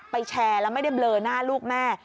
แชร์แล้วไม่ได้เบลอหน้าลูกแม่